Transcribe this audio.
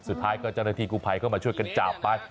สุดท้ายก็เจ้าหน้าที่กูภัยเข้ามาช่วยกันจับไป